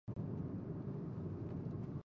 چې زمونږ په نیکمرغي خواشیني کیږي